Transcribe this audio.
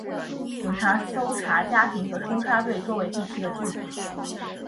警察搜查家庭和冲刷对周围地区的距离。